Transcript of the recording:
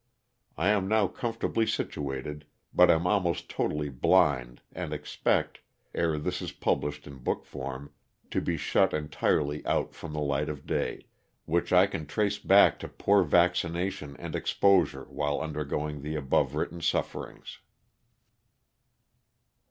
I am now comfortably situated but am almost totally blind and expect, ere this is published in book form, to be shut entirely out from the light of day, which I can trace back to poor vaccination and exposure while undergoing the above written sufferings.